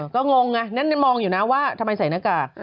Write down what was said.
ก็งงไงนั่นมองอยู่นะว่าทำไมใส่หน้ากาก